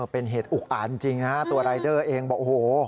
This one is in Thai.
เป็นเหตุอุกอ่านจริงนะฮะตัวรายเดอร์เองบอกโอ้โห